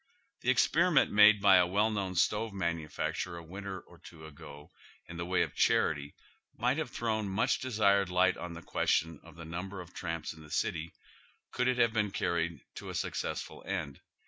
The expenment made by a well known stove manufact urer a winter or two ago in the way of charity might have thrown much desired light on the question of the number of tramps in the city, could it have been carried to a successful end.